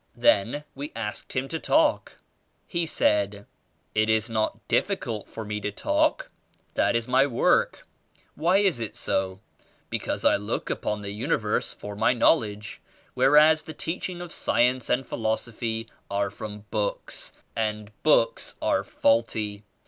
Then we asked him to talk. He said, "It is not difficult for me to talk; that is my work. Why is, it so? Because I look upon the universe for my knowledge whereas the teachings of science and philosophy are from books, and books are faulty.